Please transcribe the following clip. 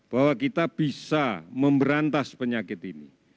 bahwa kita bisa memberantas penyakit ini